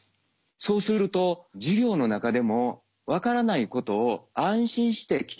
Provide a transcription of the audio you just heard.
そうすると授業の中でも分からないことを安心して聞ける。